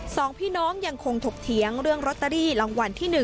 สองพี่น้องยังคงถกเถียงเรื่องลอตเตอรี่รางวัลที่๑